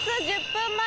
１０分前。